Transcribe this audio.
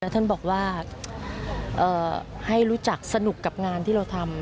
ท่านบอกว่าให้รู้จักสนุกกับงานที่เราทำ